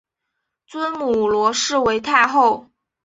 尊母罗氏为太后。